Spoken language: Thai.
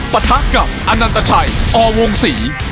ปะทะกับอนันตชัยอวงศรี